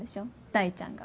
大ちゃんが。